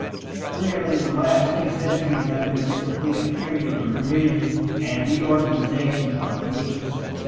Clearly the last few centuries have been typically a period of revision and reorganization of beliefs.